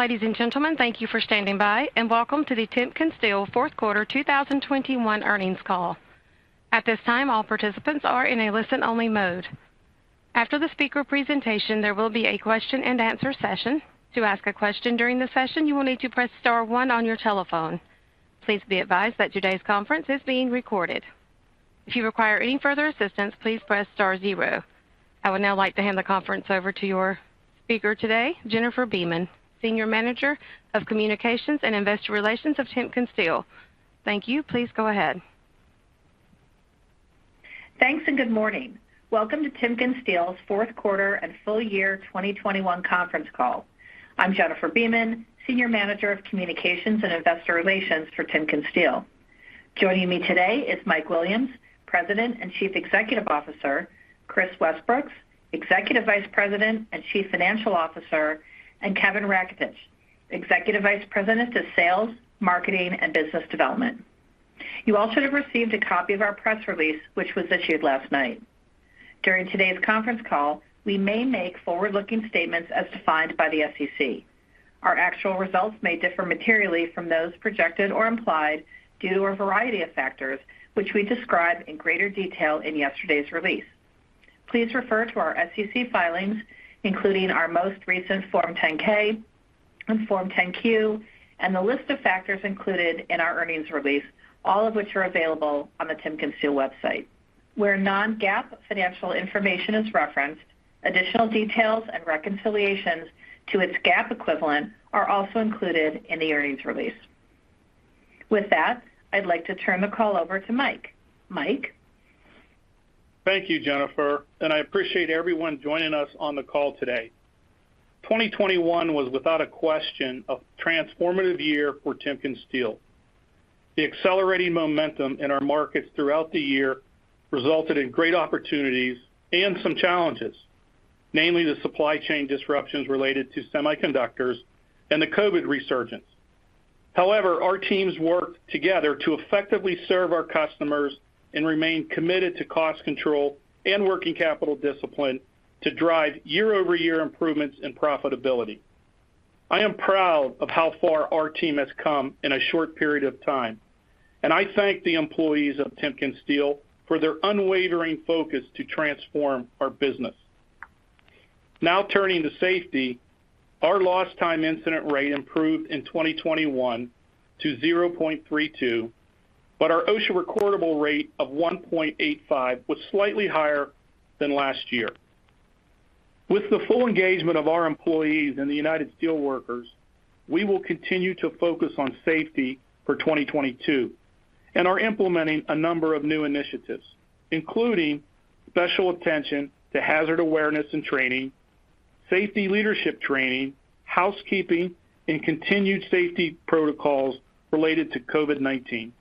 Ladies and gentlemen, thank you for standing by, and welcome to the TimkenSteel Fourth Quarter 2021 Earnings Call. At this time, all participants are in a listen-only mode. After the speaker presentation, there will be a question-and-answer session. To ask a question during the session, you will need to press star one on your telephone. Please be advised that today's conference is being recorded. If you require any further assistance, please press star zero. I would now like to hand the conference over to your speaker today, Jennifer Beeman, Senior Manager of Communications and Investor Relations of TimkenSteel. Thank you. Please go ahead. Thanks, and good morning. Welcome to TimkenSteel's fourth quarter and full year 2021 conference call. I'm Jennifer Beeman, Senior Manager of Communications and Investor Relations for TimkenSteel. Joining me today is Mike Williams, President and Chief Executive Officer, Kris Westbrooks, Executive Vice President and Chief Financial Officer, and Kevin Raketich, Executive Vice President of Sales, Marketing, and Business Development. You all should have received a copy of our press release, which was issued last night. During today's conference call, we may make forward-looking statements as defined by the SEC. Our actual results may differ materially from those projected or implied due to a variety of factors, which we describe in greater detail in yesterday's release. Please refer to our SEC filings, including our most recent Form 10-K and Form 10-Q and the list of factors included in our earnings release, all of which are available on the TimkenSteel website. Where non-GAAP financial information is referenced, additional details and reconciliations to its GAAP equivalent are also included in the earnings release. With that, I'd like to turn the call over to Mike. Mike? Thank you, Jennifer, and I appreciate everyone joining us on the call today. 2021 was without a question a transformative year for TimkenSteel. The accelerating momentum in our markets throughout the year resulted in great opportunities and some challenges, namely the supply chain disruptions related to semiconductors and the COVID resurgence. However, our teams worked together to effectively serve our customers and remain committed to cost control and working capital discipline to drive year-over-year improvements in profitability. I am proud of how far our team has come in a short period of time, and I thank the employees of TimkenSteel for their unwavering focus to transform our business. Now turning to safety, our lost time incident rate improved in 2021 to 0.32, but our OSHA recordable rate of 1.85 was slightly higher than last year. With the full engagement of our employees and the United Steelworkers, we will continue to focus on safety for 2022 and are implementing a number of new initiatives, including special attention to hazard awareness and training, safety leadership training, housekeeping, and continued safety protocols related to COVID-19.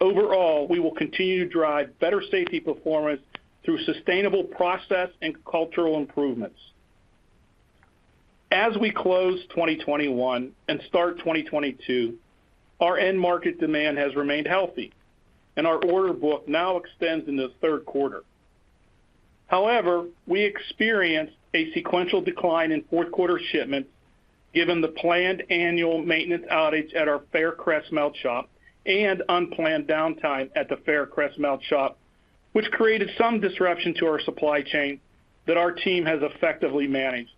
Overall, we will continue to drive better safety performance through sustainable process and cultural improvements. As we close 2021 and start 2022, our end market demand has remained healthy, and our order book now extends into the third quarter. However, we experienced a sequential decline in fourth quarter shipments given the planned annual maintenance outage at our Faircrest melt shop and unplanned downtime at the Faircrest melt shop, which created some disruption to our supply chain that our team has effectively managed.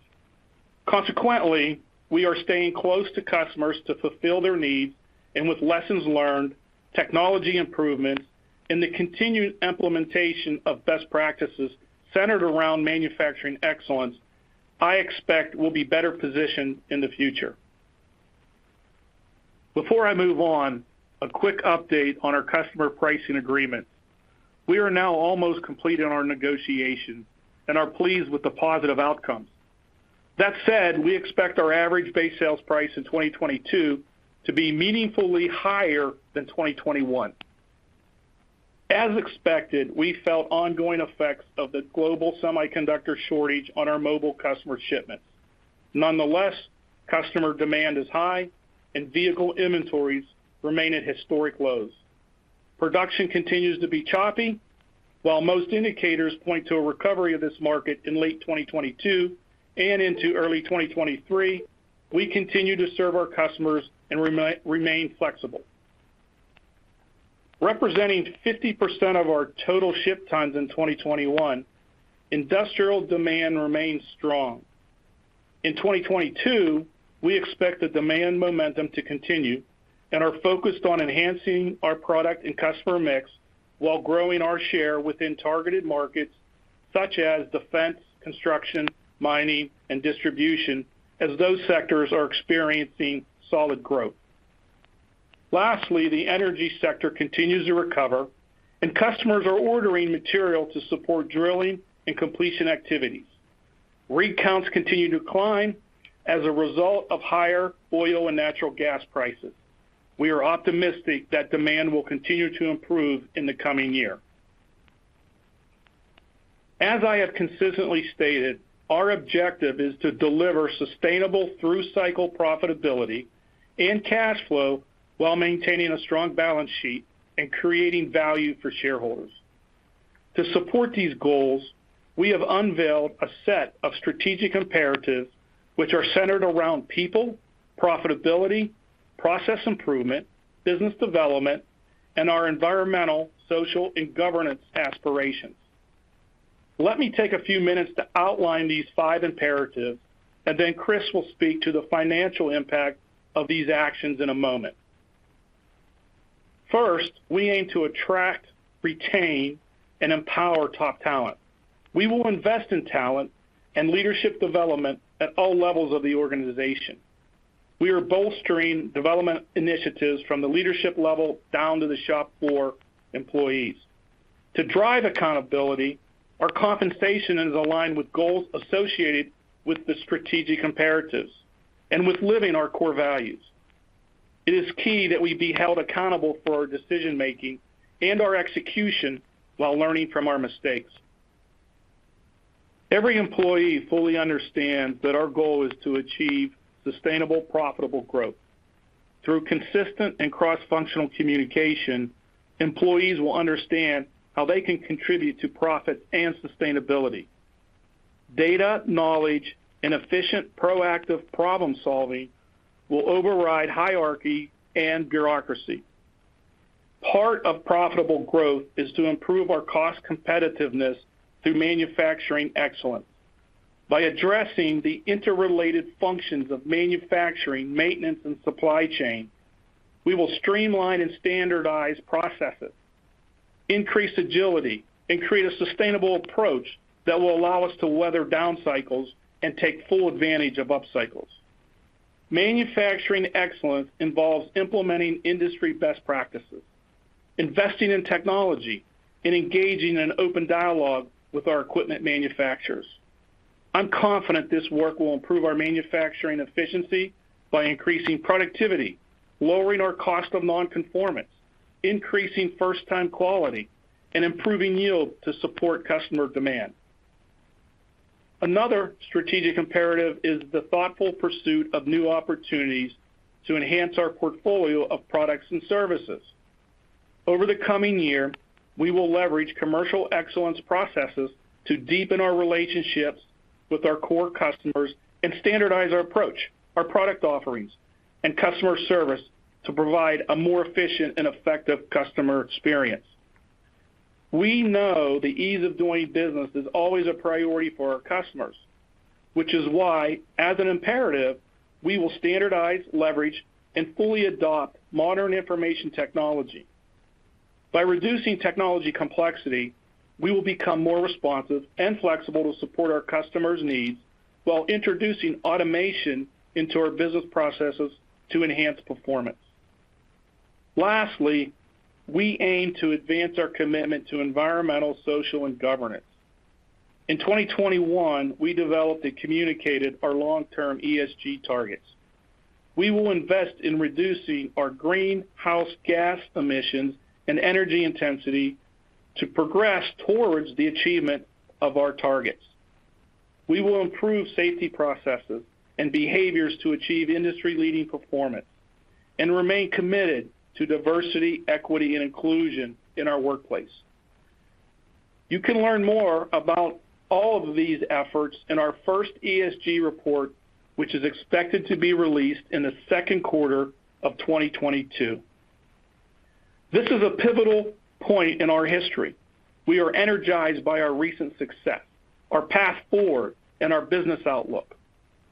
Consequently, we are staying close to customers to fulfill their needs, and with lessons learned, technology improvements, and the continued implementation of best practices centered around manufacturing excellence, I expect we'll be better positioned in the future. Before I move on, a quick update on our customer pricing agreements. We are now almost complete in our negotiations and are pleased with the positive outcomes. That said, we expect our average base sales price in 2022 to be meaningfully higher than 2021. As expected, we felt ongoing effects of the global semiconductor shortage on our mobile customer shipments. Nonetheless, customer demand is high, and vehicle inventories remain at historic lows. Production continues to be choppy. While most indicators point to a recovery of this market in late 2022 and into early 2023, we continue to serve our customers and remain flexible. Representing 50% of our total ship tons in 2021, industrial demand remains strong. In 2022, we expect the demand momentum to continue and are focused on enhancing our product and customer mix while growing our share within targeted markets such as defense, construction, mining, and distribution, as those sectors are experiencing solid growth. Lastly, the energy sector continues to recover, and customers are ordering material to support drilling and completion activities. Rig counts continue to climb as a result of higher oil and natural gas prices. We are optimistic that demand will continue to improve in the coming year. As I have consistently stated, our objective is to deliver sustainable through-cycle profitability and cash flow while maintaining a strong balance sheet and creating value for shareholders. To support these goals, we have unveiled a set of strategic imperatives which are centered around people, profitability, process improvement, business development, and our environmental, social, and governance aspirations. Let me take a few minutes to outline these five imperatives, and then Kris will speak to the financial impact of these actions in a moment. First, we aim to attract, retain, and empower top talent. We will invest in talent and leadership development at all levels of the organization. We are bolstering development initiatives from the leadership level down to the shop floor employees. To drive accountability, our compensation is aligned with goals associated with the strategic imperatives and with living our core values. It is key that we be held accountable for our decision-making and our execution while learning from our mistakes. Every employee fully understands that our goal is to achieve sustainable, profitable growth. Through consistent and cross-functional communication, employees will understand how they can contribute to profit and sustainability. Data, knowledge, and efficient, proactive problem-solving will override hierarchy and bureaucracy. Part of profitable growth is to improve our cost competitiveness through manufacturing excellence. By addressing the interrelated functions of manufacturing, maintenance, and supply chain, we will streamline and standardize processes, increase agility, and create a sustainable approach that will allow us to weather down cycles and take full advantage of up cycles. Manufacturing excellence involves implementing industry best practices, investing in technology, and engaging in open dialogue with our equipment manufacturers. I'm confident this work will improve our manufacturing efficiency by increasing productivity, lowering our cost of non-conformance, increasing first-time quality, and improving yield to support customer demand. Another strategic imperative is the thoughtful pursuit of new opportunities to enhance our portfolio of products and services. Over the coming year, we will leverage commercial excellence processes to deepen our relationships with our core customers and standardize our approach, our product offerings, and customer service to provide a more efficient and effective customer experience. We know the ease of doing business is always a priority for our customers, which is why, as an imperative, we will standardize, leverage, and fully adopt modern information technology. By reducing technology complexity, we will become more responsive and flexible to support our customers' needs while introducing automation into our business processes to enhance performance. Lastly, we aim to advance our commitment to environmental, social, and governance. In 2021, we developed and communicated our long-term ESG targets. We will invest in reducing our greenhouse gas emissions and energy intensity to progress towards the achievement of our targets. We will improve safety processes and behaviors to achieve industry-leading performance and remain committed to diversity, equity, and inclusion in our workplace. You can learn more about all of these efforts in our first ESG report, which is expected to be released in the second quarter of 2022. This is a pivotal point in our history. We are energized by our recent success, our path forward, and our business outlook.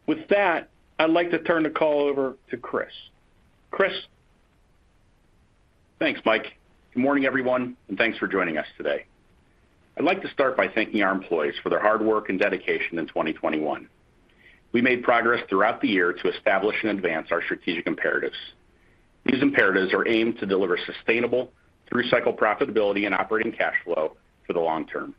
With that, I'd like to turn the call over to Kris. Kris? Thanks, Mike. Good morning, everyone, and thanks for joining us today. I'd like to start by thanking our employees for their hard work and dedication in 2021. We made progress throughout the year to establish and advance our strategic imperatives. These imperatives are aimed to deliver sustainable through-cycle profitability and operating cash flow for the long term.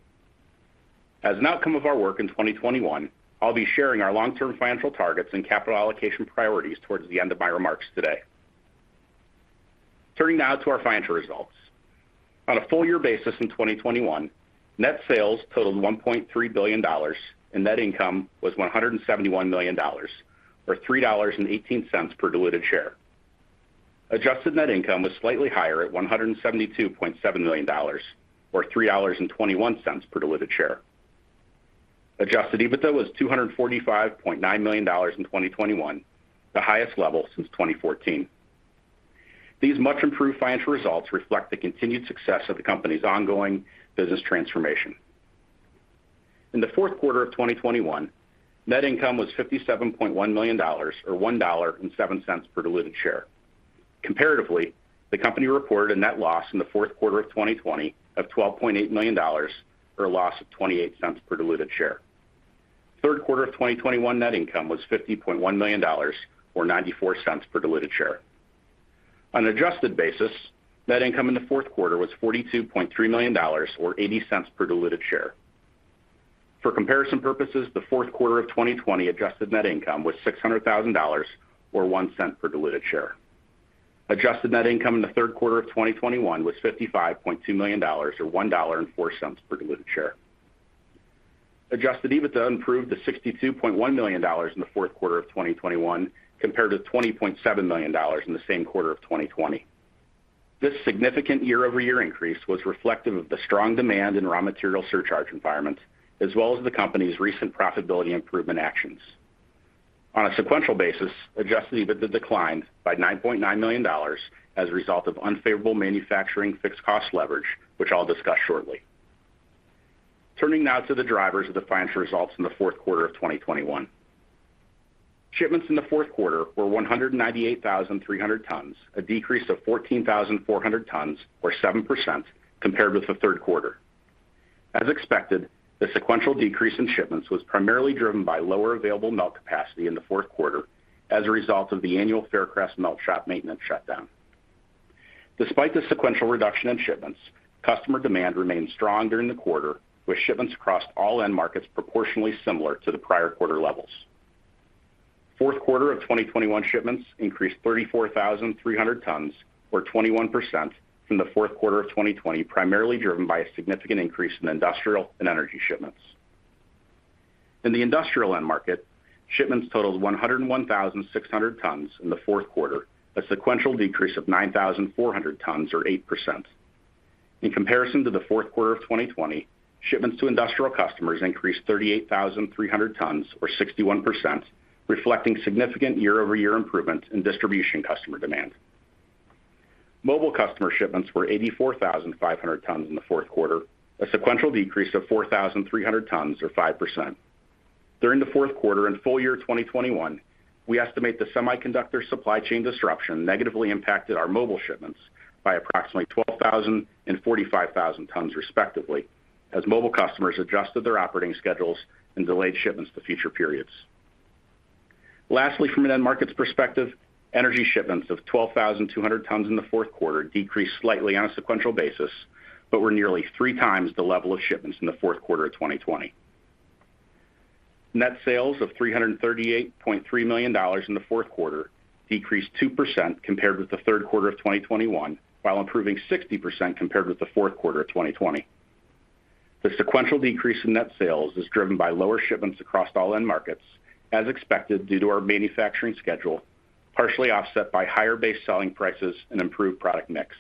As an outcome of our work in 2021, I'll be sharing our long-term financial targets and capital allocation priorities towards the end of my remarks today. Turning now to our financial results. On a full year basis in 2021, net sales totaled $1.3 billion and net income was $171 million or $3.18 per diluted share. Adjusted net income was slightly higher at $172.7 million or 3.21 per diluted share. Adjusted EBITDA was $245.9 million in 2021, the highest level since 2014. These much-improved financial results reflect the continued success of the company's ongoing business transformation. In the fourth quarter of 2021, net income was $57.1 million or $1.07 per diluted share. Comparatively, the company reported a net loss in the fourth quarter of 2020 of $12.8 million or a loss of $0.28 per diluted share. Third quarter of 2021 net income was $50.1 million or 0.94 per diluted share. On an adjusted basis, net income in the fourth quarter was $42.3 million or 0.80 per diluted share. For comparison purposes, the fourth quarter of 2020 adjusted net income was $600,000 or 0.01 per diluted share. Adjusted net income in the third quarter of 2021 was $55.2 million or $1.04 per diluted share. Adjusted EBITDA improved to $62.1 million in the fourth quarter of 2021 compared to $20.7 million in the same quarter of 2020. This significant year-over-year increase was reflective of the strong demand in raw material surcharge environment, as well as the company's recent profitability improvement actions. On a sequential basis, adjusted EBITDA declined by $9.9 million as a result of unfavorable manufacturing fixed cost leverage, which I'll discuss shortly. Turning now to the drivers of the financial results in the fourth quarter of 2021. Shipments in the fourth quarter were 198,300 tons, a decrease of 14,400 tons or 7% compared with the third quarter. As expected, the sequential decrease in shipments was primarily driven by lower available melt capacity in the fourth quarter as a result of the annual Faircrest melt shop maintenance shutdown. Despite the sequential reduction in shipments, customer demand remained strong during the quarter, with shipments across all end markets proportionally similar to the prior quarter levels. Fourth quarter of 2021 shipments increased 34,300 tons or 21% from the fourth quarter of 2020, primarily driven by a significant increase in industrial and energy shipments. In the industrial end market, shipments totaled 101,600 tons in the fourth quarter, a sequential decrease of 9,400 tons or 8%. In comparison to the fourth quarter of 2020, shipments to industrial customers increased 38,300 tons or 61%, reflecting significant year-over-year improvements in distribution customer demand. Mobile customer shipments were 84,500 tons in the fourth quarter, a sequential decrease of 4,300 tons or 5%. During the fourth quarter and full year 2021, we estimate the semiconductor supply chain disruption negatively impacted our mobile shipments by approximately 12,000 and 45,000 tons respectively, as mobile customers adjusted their operating schedules and delayed shipments to future periods. Lastly, from an end markets perspective, energy shipments of 12,200 tons in the fourth quarter decreased slightly on a sequential basis, but were nearly three times the level of shipments in the fourth quarter of 2020. Net sales of $338.3 million in the fourth quarter decreased 2% compared with the third quarter of 2021, while improving 60% compared with the fourth quarter of 2020. The sequential decrease in net sales is driven by lower shipments across all end markets, as expected due to our manufacturing schedule, partially offset by higher base selling prices and improved product mix.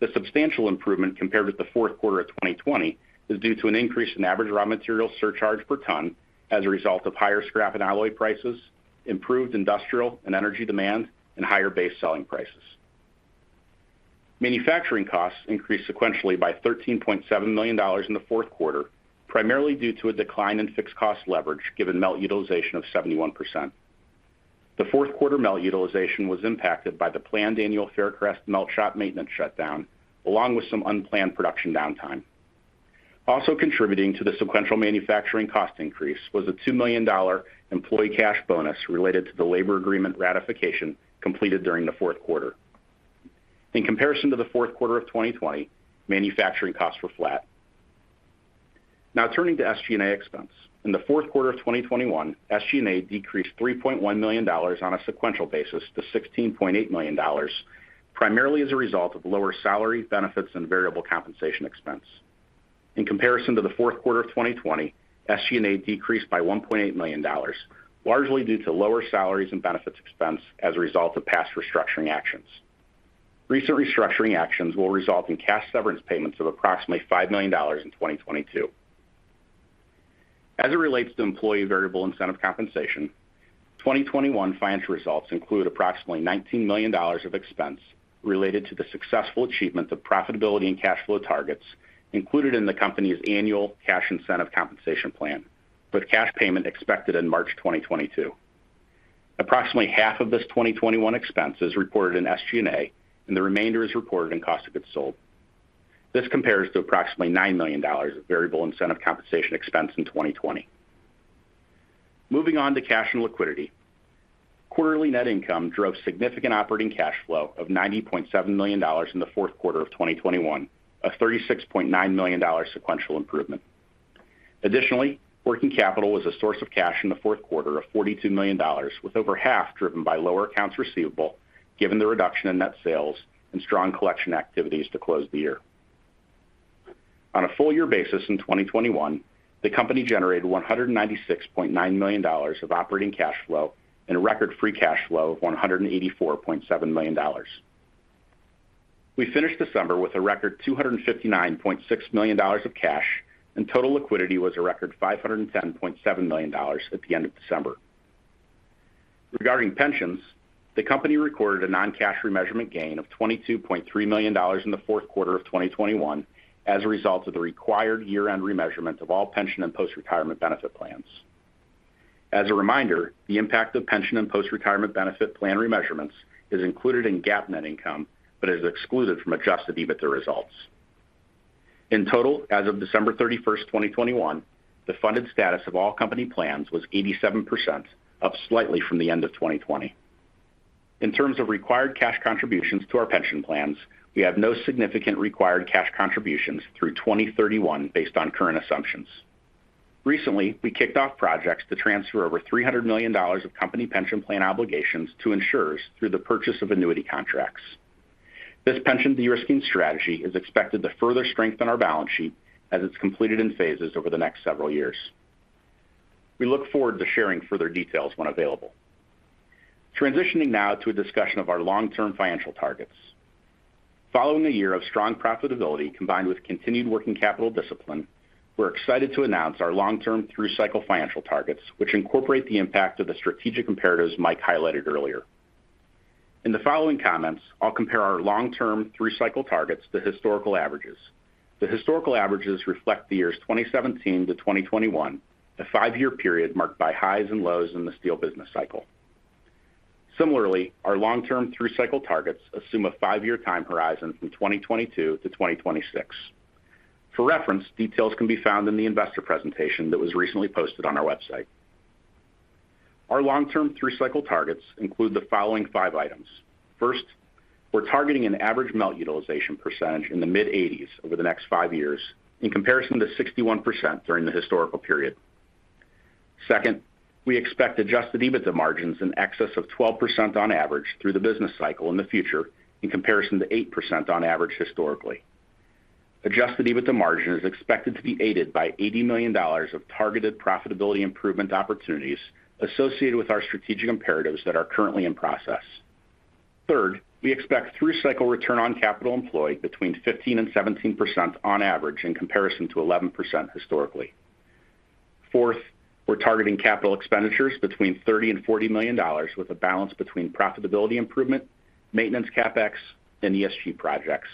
The substantial improvement compared with the fourth quarter of 2020 is due to an increase in average raw material surcharge per ton as a result of higher scrap and alloy prices, improved industrial and energy demand, and higher base selling prices. Manufacturing costs increased sequentially by $13.7 million in the fourth quarter, primarily due to a decline in fixed cost leverage given melt utilization of 71%. The fourth quarter melt utilization was impacted by the planned annual Faircrest melt shop maintenance shutdown, along with some unplanned production downtime. Also contributing to the sequential manufacturing cost increase was a $2 million employee cash bonus related to the labor agreement ratification completed during the fourth quarter. In comparison to the fourth quarter of 2020, manufacturing costs were flat. Now turning to SG&A expense. In the fourth quarter of 2021, SG&A decreased $3.1 million on a sequential basis to $16.8 million, primarily as a result of lower salary, benefits, and variable compensation expense. In comparison to the fourth quarter of 2020, SG&A decreased by $1.8 million, largely due to lower salaries and benefits expense as a result of past restructuring actions. Recent restructuring actions will result in cash severance payments of approximately $5 million in 2022. As it relates to employee variable incentive compensation, 2021 financial results include approximately $19 million of expense related to the successful achievement of profitability and cash flow targets included in the company's annual cash incentive compensation plan, with cash payment expected in March 2022. Approximately half of this 2021 expense is reported in SG&A, and the remainder is reported in cost of goods sold. This compares to approximately $9 million of variable incentive compensation expense in 2020. Moving on to cash and liquidity. Quarterly net income drove significant operating cash flow of $90.7 million in the fourth quarter of 2021, a $36.9 million sequential improvement. Additionally, working capital was a source of cash in the fourth quarter of $42 million, with over half driven by lower accounts receivable, given the reduction in net sales and strong collection activities to close the year. On a full year basis in 2021, the company generated $196.9 million of operating cash flow and a record free cash flow of $184.7 million. We finished December with a record $259.6 million of cash, and total liquidity was a record $510.7 million at the end of December. Regarding pensions, the company recorded a non-cash remeasurement gain of $22.3 million in the fourth quarter of 2021 as a result of the required year-end remeasurement of all pension and post-retirement benefit plans. As a reminder, the impact of pension and post-retirement benefit plan remeasurements is included in GAAP net income, but is excluded from adjusted EBITDA results. In total, as of December 31, 2021, the funded status of all company plans was 87%, up slightly from the end of 2020. In terms of required cash contributions to our pension plans, we have no significant required cash contributions through 2031 based on current assumptions. Recently, we kicked off projects to transfer over $300 million of company pension plan obligations to insurers through the purchase of annuity contracts. This pension de-risking strategy is expected to further strengthen our balance sheet as it's completed in phases over the next several years. We look forward to sharing further details when available. Transitioning now to a discussion of our long-term financial targets. Following a year of strong profitability combined with continued working capital discipline, we're excited to announce our long-term through cycle financial targets, which incorporate the impact of the strategic imperatives Mike highlighted earlier. In the following comments, I'll compare our long-term through cycle targets to historical averages. The historical averages reflect the years 2017-2021, a five-year period marked by highs and lows in the steel business cycle. Similarly, our long-term through cycle targets assume a five-year time horizon from 2022-2026. For reference, details can be found in the investor presentation that was recently posted on our website. Our long-term through cycle targets include the following five items. First, we're targeting an average melt utilization percentage in the mid-80s over the next five years in comparison to 61% during the historical period. Second, we expect adjusted EBITDA margins in excess of 12% on average through the business cycle in the future, in comparison to 8% on average historically. Adjusted EBITDA margin is expected to be aided by $80 million of targeted profitability improvement opportunities associated with our strategic imperatives that are currently in process. Third, we expect through cycle return on capital employed between 15%-17% on average in comparison to 11% historically. Fourth, we're targeting capital expenditures between $30 million-$40 million with a balance between profitability improvement, maintenance CapEx, and ESG projects.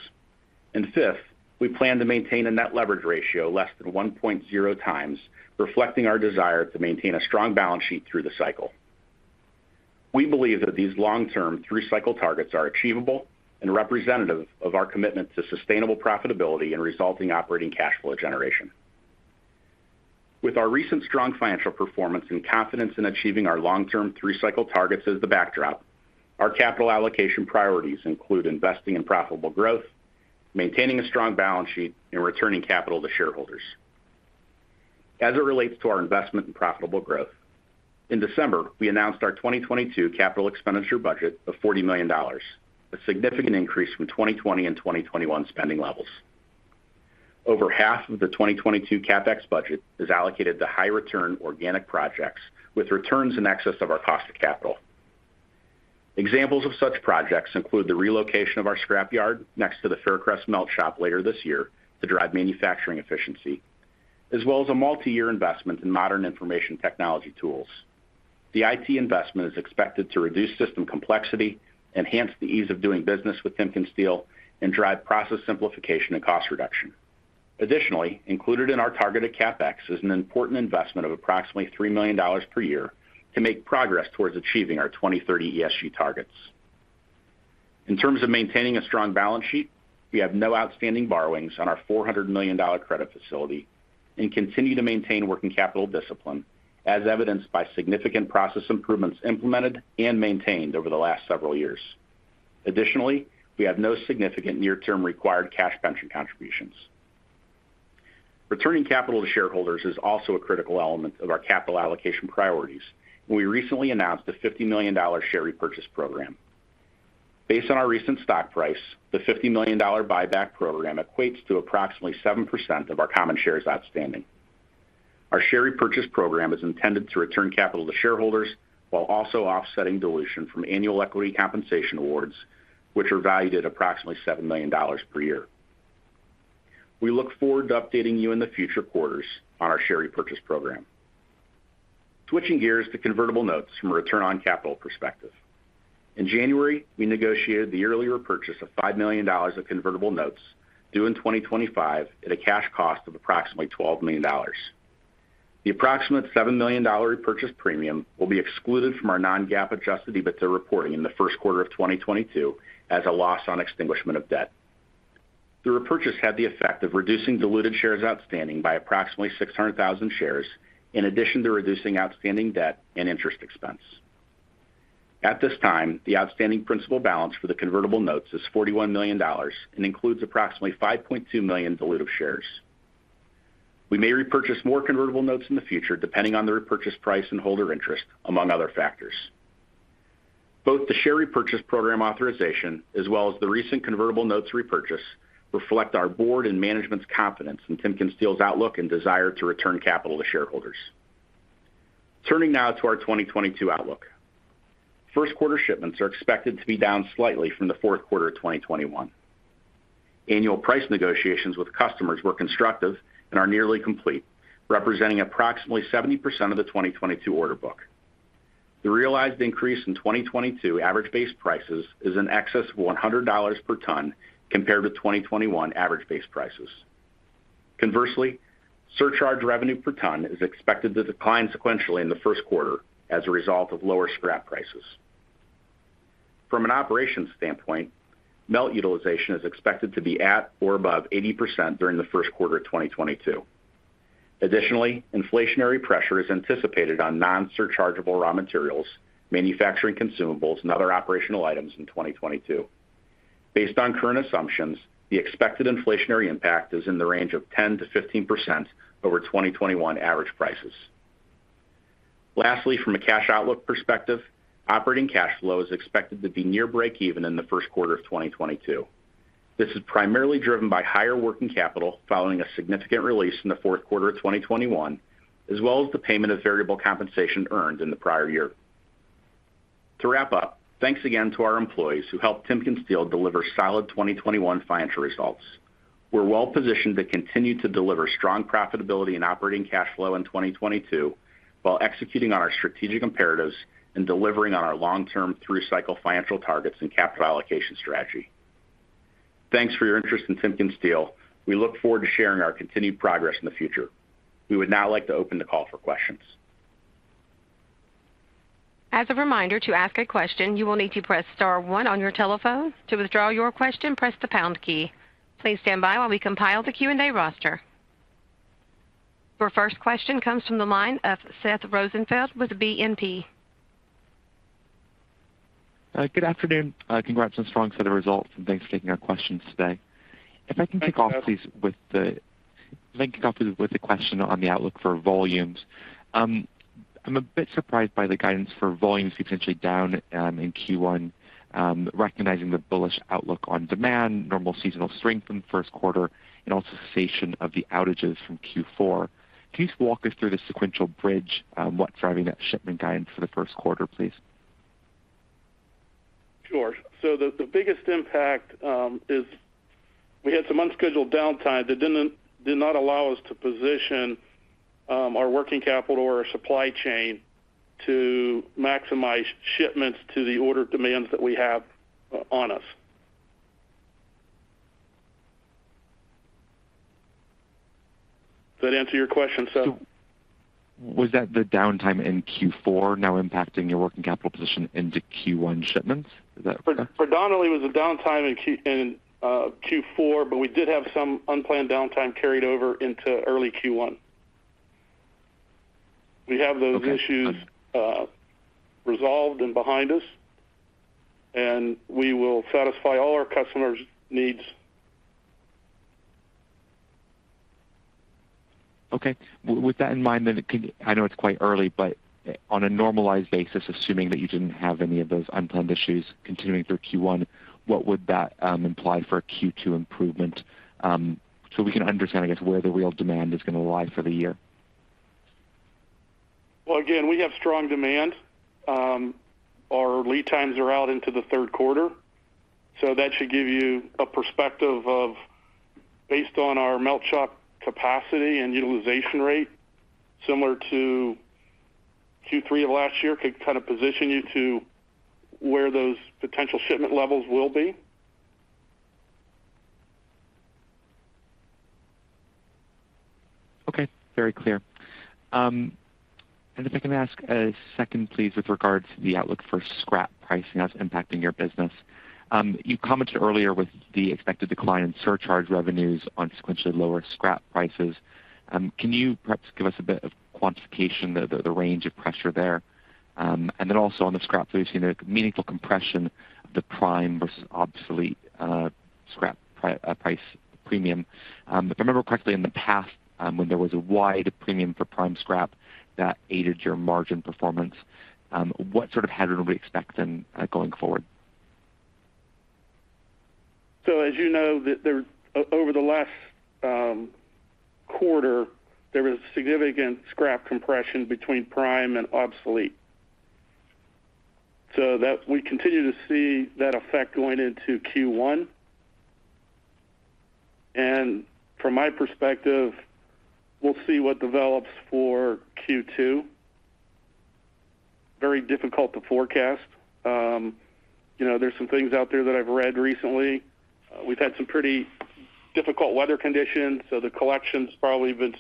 Fifth, we plan to maintain a net leverage ratio less than 1.0 times, reflecting our desire to maintain a strong balance sheet through the cycle. We believe that these long-term through cycle targets are achievable and representative of our commitment to sustainable profitability and resulting operating cash flow generation. With our recent strong financial performance and confidence in achieving our long-term through cycle targets as the backdrop, our capital allocation priorities include investing in profitable growth, maintaining a strong balance sheet, and returning capital to shareholders. As it relates to our investment in profitable growth, in December, we announced our 2022 capital expenditure budget of $40 million, a significant increase from 2020 and 2021 spending levels. Over half of the 2022 CapEx budget is allocated to high return organic projects with returns in excess of our cost of capital. Examples of such projects include the relocation of our scrap yard next to the Faircrest melt shop later this year to drive manufacturing efficiency, as well as a multi-year investment in modern information technology tools. The IT investment is expected to reduce system complexity, enhance the ease of doing business with TimkenSteel, and drive process simplification and cost reduction. Additionally, included in our targeted CapEx is an important investment of approximately $3 million per year to make progress towards achieving our 2030 ESG targets. In terms of maintaining a strong balance sheet, we have no outstanding borrowings on our $400 million credit facility and continue to maintain working capital discipline, as evidenced by significant process improvements implemented and maintained over the last several years. Additionally, we have no significant near-term required cash pension contributions. Returning capital to shareholders is also a critical element of our capital allocation priorities, and we recently announced a $50 million share repurchase program. Based on our recent stock price, the $50 million buyback program equates to approximately 7% of our common shares outstanding. Our share repurchase program is intended to return capital to shareholders while also offsetting dilution from annual equity compensation awards, which are valued at approximately $7 million per year. We look forward to updating you in the future quarters on our share repurchase program. Switching gears to convertible notes from a return on capital perspective. In January, we negotiated the earlier repurchase of $5 million of convertible notes due in 2025 at a cash cost of approximately $12 million. The approximate $7 million repurchase premium will be excluded from our non-GAAP adjusted EBITDA reporting in the first quarter of 2022 as a loss on extinguishment of debt. The repurchase had the effect of reducing diluted shares outstanding by approximately 600,000 shares, in addition to reducing outstanding debt and interest expense. At this time, the outstanding principal balance for the convertible notes is $41 million and includes approximately 5.2 million dilutive shares. We may repurchase more convertible notes in the future, depending on the repurchase price and holder interest, among other factors. Both the share repurchase program authorization as well as the recent convertible notes repurchase reflect our board and management's confidence in TimkenSteel's outlook and desire to return capital to shareholders. Turning now to our 2022 outlook. First quarter shipments are expected to be down slightly from the fourth quarter of 2021. Annual price negotiations with customers were constructive and are nearly complete, representing approximately 70% of the 2022 order book. The realized increase in 2022 average base prices is in excess of $100 per ton compared with 2021 average base prices. Conversely, surcharge revenue per ton is expected to decline sequentially in the first quarter as a result of lower scrap prices. From an operations standpoint, melt utilization is expected to be at or above 80% during the first quarter of 2022. Additionally, inflationary pressure is anticipated on non-surchargeable raw materials, manufacturing consumables, and other operational items in 2022. Based on current assumptions, the expected inflationary impact is in the range of 10%-15% over 2021 average prices. Lastly, from a cash outlook perspective, operating cash flow is expected to be near breakeven in the first quarter of 2022. This is primarily driven by higher working capital following a significant release in the fourth quarter of 2021, as well as the payment of variable compensation earned in the prior year. To wrap up, thanks again to our employees who helped TimkenSteel deliver solid 2021 financial results. We're well-positioned to continue to deliver strong profitability and operating cash flow in 2022 while executing on our strategic imperatives and delivering on our long-term through cycle financial targets and capital allocation strategy. Thanks for your interest in TimkenSteel. We look forward to sharing our continued progress in the future. We would now like to open the call for questions. As a reminder, to ask a question, you will need to press star one on your telephone. To withdraw your question, press the pound key. Please stand by while we compile the Q&A roster. Your first question comes from the line of Seth Rosenfeld with BNP. Good afternoon. Congrats on strong set of results, and thanks for taking our questions today. Thanks, Seth. Let me kick off with a question on the outlook for volumes. I'm a bit surprised by the guidance for volumes sequentially down in Q1, recognizing the bullish outlook on demand, normal seasonal strength in the first quarter, and also cessation of the outages from Q4. Can you just walk us through the sequential bridge, what's driving that shipment guidance for the first quarter, please? Sure. The biggest impact is we had some unscheduled downtime that did not allow us to position our working capital or our supply chain to maximize shipments to the order demands that we have on us. Does that answer your question, Seth? Was that the downtime in Q4 now impacting your working capital position into Q1 shipments? Is that correct? Predominantly was a downtime in Q4, but we did have some unplanned downtime carried over into early Q1. We have those issues- Okay. resolved and behind us, and we will satisfy all our customers' needs. Okay. With that in mind, I know it's quite early, but on a normalized basis, assuming that you didn't have any of those unplanned issues continuing through Q1, what would that imply for a Q2 improvement, so we can understand, I guess, where the real demand is gonna lie for the year? Well, again, we have strong demand. Our lead times are out into the third quarter, so that should give you a perspective of based on our melt shop capacity and utilization rate similar to Q3 of last year, could kind of position you to where those potential shipment levels will be. Okay, very clear. If I can ask a second, please, with regard to the outlook for scrap pricing that's impacting your business. You commented earlier with the expected decline in surcharge revenues on sequentially lower scrap prices. Can you perhaps give us a bit of quantification, the range of pressure there? Also on the scrap solution, a meaningful compression of the prime versus obsolete scrap price premium. If I remember correctly, in the past, when there was a wide premium for prime scrap that aided your margin performance, what sort of headroom are we expecting going forward? As you know, over the last quarter, there was significant scrap compression between prime and obsolete. We continue to see that effect going into Q1. From my perspective, we'll see what develops for Q2. Very difficult to forecast. You know, there's some things out there that I've read recently. We've had some pretty difficult weather conditions, so the collection's probably been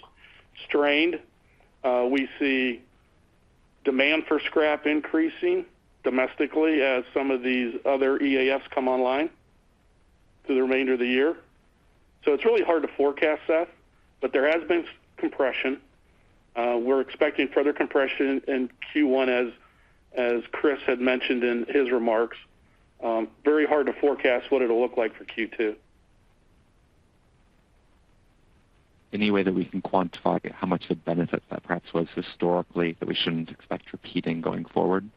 strained. We see demand for scrap increasing domestically as some of these other EAFs come online through the remainder of the year. It's really hard to forecast, Seth, but there has been compression. We're expecting further compression in Q1 as Kris had mentioned in his remarks. Very hard to forecast what it'll look like for Q2. Any way that we can quantify how much the benefit that perhaps was historically that we shouldn't expect repeating going forward?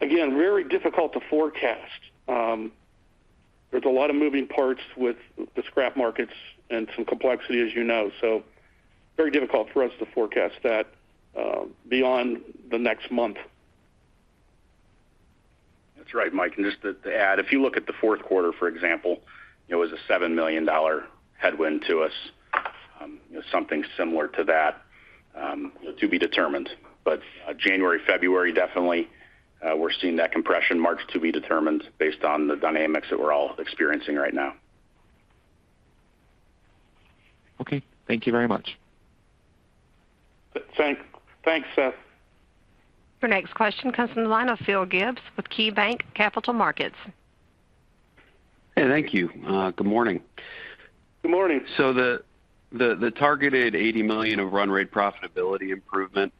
Again, very difficult to forecast. There's a lot of moving parts with the scrap markets and some complexity as you know. Very difficult for us to forecast that, beyond the next month. That's right, Mike. Just to add, if you look at the fourth quarter, for example, it was a $7 million headwind to us. Something similar to that, to be determined. January, February, definitely, we're seeing that compression. March to be determined based on the dynamics that we're all experiencing right now. Okay. Thank you very much. Thanks, Seth. Your next question comes from the line of Phil Gibbs with KeyBanc Capital Markets. Hey, thank you. Good morning. Good morning. The targeted 80 million of run-rate profitability improvement.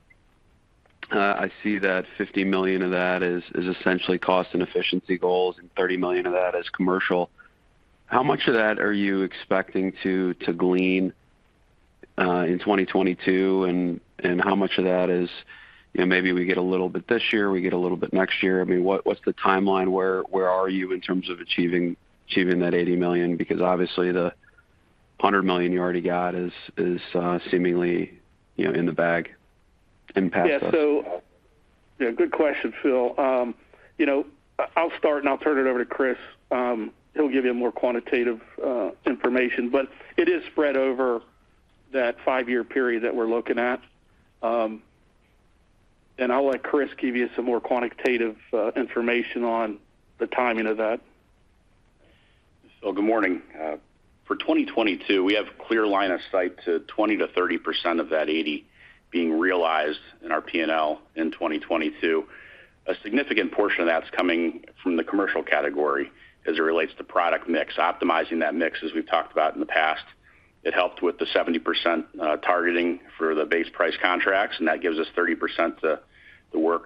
I see that 50 million of that is essentially cost and efficiency goals, and 30 million of that is commercial. How much of that are you expecting to glean in 2022, and how much of that is, you know, maybe we get a little bit this year, we get a little bit next year. I mean, what's the timeline? Where are you in terms of achieving that 80 million? Because obviously the 100 million you already got is seemingly, you know, in the bag and past that. Good question, Phil. You know, I'll start, and I'll turn it over to Kris. He'll give you more quantitative information. It is spread over that five-year period that we're looking at. I'll let Kris give you some more quantitative information on the timing of that. Good morning. For 2022, we have clear line of sight to 20%-30% of that 80 being realized in our P&L in 2022. A significant portion of that's coming from the commercial category as it relates to product mix. Optimizing that mix, as we've talked about in the past, it helped with the 70% targeting for the base price contracts, and that gives us 30% to work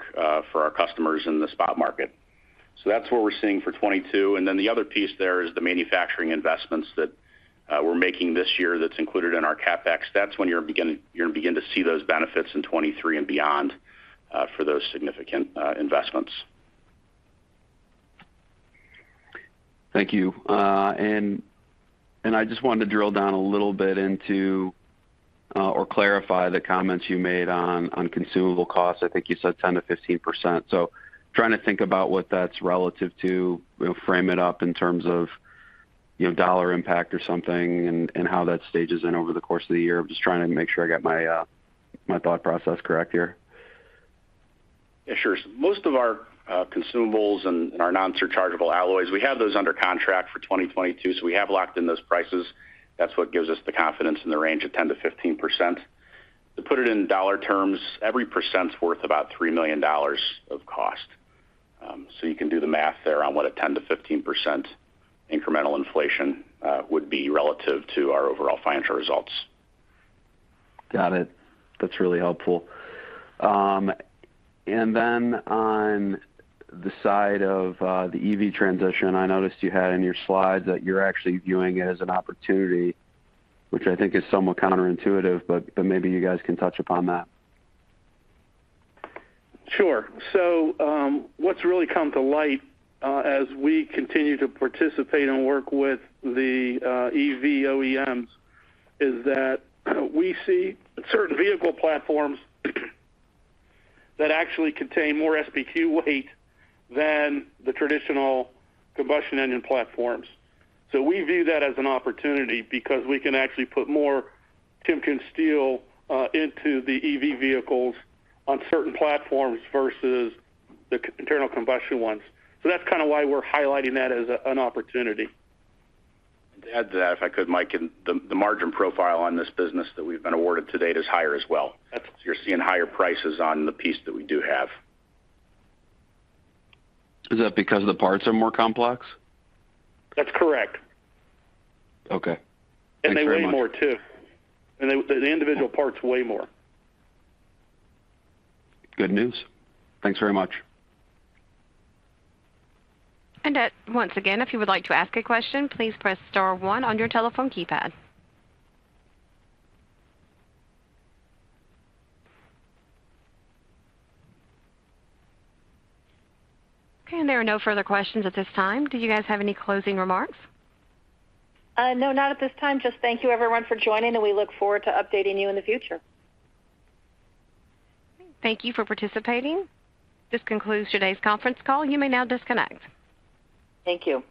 for our customers in the spot market. That's what we're seeing for 2022. Then the other piece there is the manufacturing investments that we're making this year that's included in our CapEx. That's when you're gonna begin to see those benefits in 2023 and beyond for those significant investments. Thank you. I just wanted to drill down a little bit into, or clarify the comments you made on consumable costs. I think you said 10%-15%. Trying to think about what that's relative to, you know, frame it up in terms of, you know, dollar impact or something and how that stages in over the course of the year. I'm just trying to make sure I got my thought process correct here. Yeah, sure. Most of our consumables and our non-surchargeable alloys, we have those under contract for 2022, so we have locked in those prices. That's what gives us the confidence in the range of 10%-15%. To put it in dollar terms, every percent's worth about $3 million of cost. So you can do the math there on what a 10%-15% incremental inflation would be relative to our overall financial results. Got it. That's really helpful. Then on the side of the EV transition, I noticed you had in your slides that you're actually viewing it as an opportunity, which I think is somewhat counterintuitive, but maybe you guys can touch upon that. Sure. What's really come to light as we continue to participate and work with the EV OEMs is that we see certain vehicle platforms that actually contain more SBQ weight than the traditional combustion engine platforms. We view that as an opportunity because we can actually put more TimkenSteel into the EV vehicles on certain platforms versus the internal combustion ones. That's kinda why we're highlighting that as an opportunity. To add to that, if I could, Mike, and the margin profile on this business that we've been awarded to date is higher as well. That's- You're seeing higher prices on the piece that we do have. Is that because the parts are more complex? That's correct. Okay. Thanks very much. They weigh more too. The individual parts weigh more. Good news. Thanks very much. Once again, if you would like to ask a question, please press star one on your telephone keypad. Okay, there are no further questions at this time. Do you guys have any closing remarks? No, not at this time. Just thank you everyone for joining, and we look forward to updating you in the future. Thank you for participating. This concludes today's conference call. You may now disconnect. Thank you.